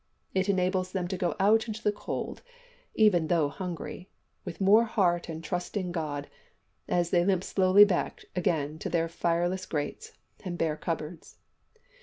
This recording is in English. It enables them to go out into the cold, even though hungry, with more heart and trust in God as they limp slowly back again to their fireless grates and bare cupboards.